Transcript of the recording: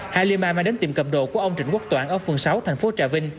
halima mang đến tiệm cầm đồ của ông trịnh quốc toạn ở phường sáu thành phố trà vinh